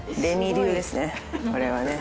これはね。